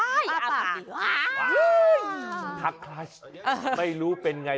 ว้าวถักคลัชไม่รู้ว่าเป็นยังไง